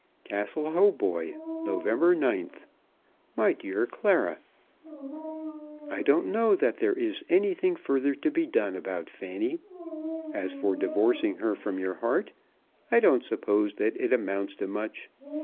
Castle Hautboy, November 9th. MY DEAR CLARA, I don't know that there is anything further to be done about Fanny. As for divorcing her from your heart, I don't suppose that it amounts to much.